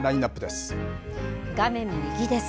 画面右です。